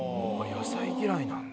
野菜嫌いなんだ。